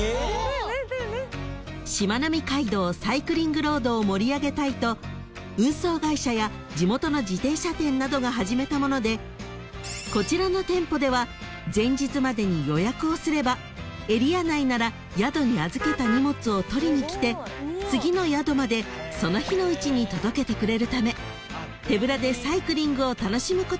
［しまなみ海道サイクリングロードを盛り上げたいと運送会社や地元の自転車店などが始めたものでこちらの店舗では前日までに予約をすればエリア内なら宿に預けた荷物を取りにきて次の宿までその日のうちに届けてくれるため手ぶらでサイクリングを楽しむことができるんです］